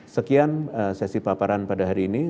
sekian sesi paparan pada hari ini